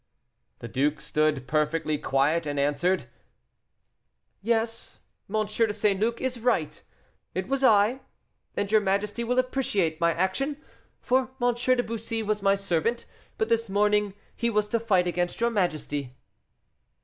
The duke stood perfectly quiet and answered, "Yes, M. de St. Luc is right; it was I, and your majesty will appreciate my action, for M. de Bussy was my servant; but this morning he was to fight against your majesty."